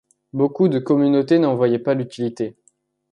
Beaucoup de communautés n'en voyaient pas l'utilité.